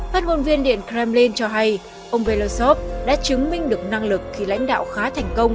phát ngôn viên điện kremlin cho hay ông belosov đã chứng minh được năng lực khi lãnh đạo khá thành công